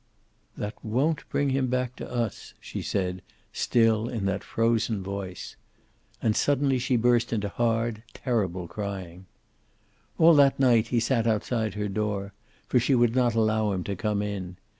"That won't bring him back to us," she said, still in that frozen voice. And suddenly she burst into hard, terrible crying. All that night he sat outside her door, for she would not allow him to come in.